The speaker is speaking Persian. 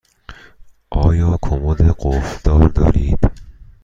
آیا کمد قفل دار دارید؟